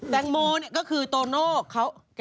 แป๊กโม่นี่ก็คือโตโนะ